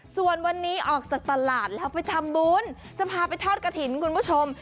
ส่วนวันนี้ออกจากตลาดแล้วไปทำบุญจะพาไปทอดกระถิ่นคุณผู้ชม